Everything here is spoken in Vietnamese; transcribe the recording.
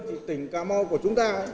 thì tỉnh cà mau của chúng ta